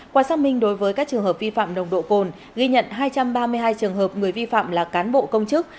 qua xác minh đối với các trường hợp vi phạm nồng độ cồn ghi nhận hai trăm ba mươi hai trường hợp người vi phạm là cán bộ công chức